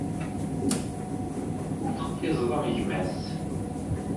Ur teqfiz am gma-s.